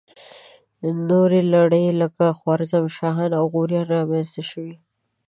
نورې لړۍ لکه خوارزم شاهان او غوریان را منځته شوې.